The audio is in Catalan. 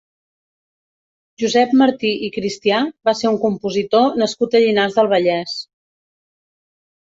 Josep Martí i Cristià va ser un compositor nascut a Llinars del Vallès.